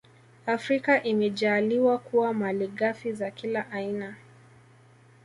Afrika imejaaliwa kuwa malighafi za kila aina